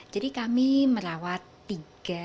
jadi kami merawat tiga